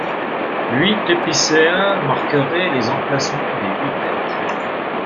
Huit épicéas marqueraient les emplacements des huit têtes.